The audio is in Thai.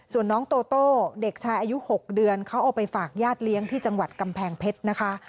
ส่วนน้องโตโต้เด็กชายอายุ๖เดือนเขาเอาไปฝากญาติเลี้ยงที่จังหวัดกำแพงเพชรนะคะ